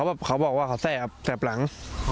แม่ขนาดโดยยิง